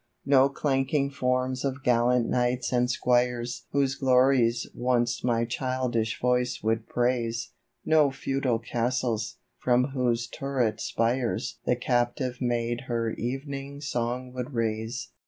No clanking forms of gallant knights and squires WTiose glories once my childish voice would praise, No feudal castles, from whose turret spires The captive maid her ev'ning song would raise.